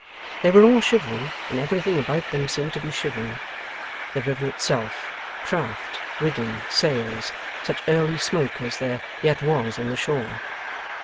They were all shivering, and everything about them seemed to be shivering; the river itself; craft, rigging, sails, such early smoke as there yet was on the shore.